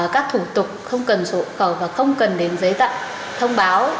các thủ tục không cần sổ khẩu và không cần đến giới tận thông báo